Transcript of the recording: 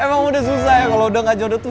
emang udah susah ya kalau udah gak jodoh tuh